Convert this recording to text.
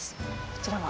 こちらは？